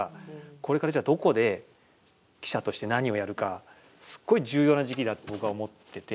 これから、じゃあどこで記者として何をやるかすごい重要な時期だと僕は思ってて。